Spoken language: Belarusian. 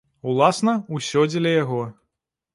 Уласна, усё дзеля яго.